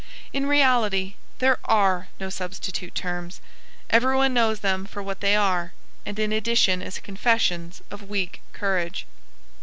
In reality, there are no substitute terms. Everyone knows them for what they are, and in addition as confessions of weak courage.